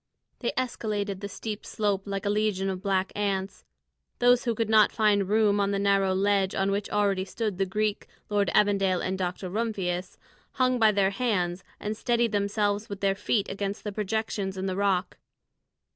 They escaladed the steep slope like a legion of black ants; those who could not find room on the narrow ledge on which already stood the Greek, Lord Evandale, and Dr. Rumphius, hung by their hands and steadied themselves with their feet against the projections in the rock.